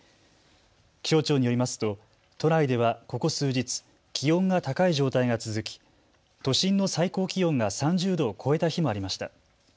気象庁によりますと都内ではここ数日、気温が高い状態が続き都心の最高気温が３０度を超えた日もありました。